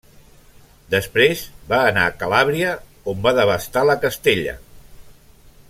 Després va anar a Calàbria, on va devastar La Castella.